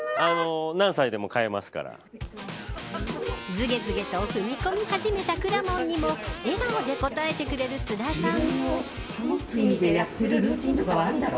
ずけずけと踏み込み始めたくらもんにも笑顔で応えてくれる津田さん。